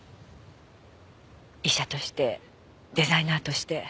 医者としてデザイナーとして。